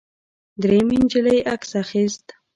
درېیمې نجلۍ عکس اخیست.